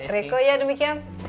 riko ya demikian